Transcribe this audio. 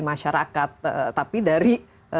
masyarakat tapi dari